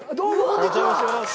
お邪魔します。